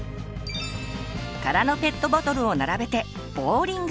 空のペットボトルを並べてボウリング。